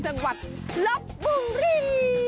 จังหวัดลบบุรี